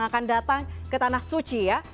dan datang ke tanah suci ya